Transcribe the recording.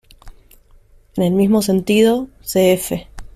En el mismo sentido, cf.